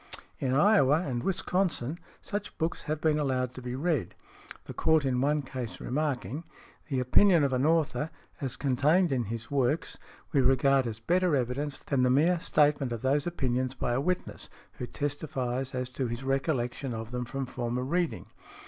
|100| In Iowa and Wisconsin such books have been allowed to be read, the Court in one case remarking, "The opinion of an author, as contained in his works, we regard as better evidence than the mere statement of those opinions by a witness, who testifies as to his recollection of them from former reading.